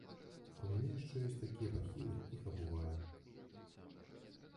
У мяне яшчэ ёсць такія бахілы, іх абуваю.